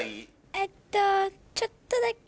えっとちょっとだけ。